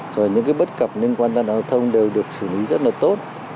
rồi những cái bất cập liên quan giao thông đều được xử lý rất là tốt